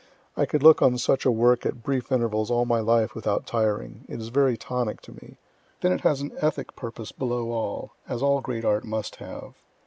I could look on such a work at brief intervals all my life without tiring; it is very tonic to me; then it has an ethic purpose below all, as all great art must have.